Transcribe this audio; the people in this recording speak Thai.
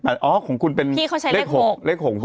พี่เค้าชายเลขหก